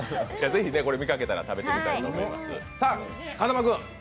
是非、見かけたら食べてみたいと思います。